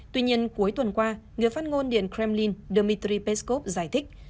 tuy nhiên cuối tuần qua người phát ngôn điện kremlin dmitry peskov giải thích